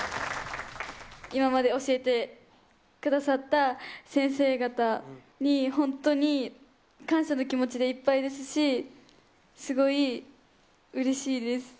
今まで教えてくださった先生方に本当に感謝の気持ちでいっぱいですし、すごいうれしいです。